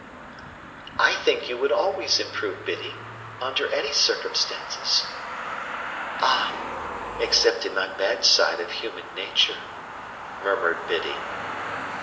"I think you would always improve, Biddy, under any circumstances." "Ah! Except in my bad side of human nature," murmured Biddy.